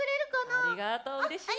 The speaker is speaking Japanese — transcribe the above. ありがとううれしいね。